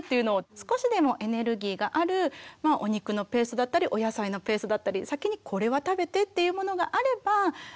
少しでもエネルギーがあるお肉のペーストだったりお野菜のペーストだったり先にこれは食べてっていうものがあればスプーンであげてみる。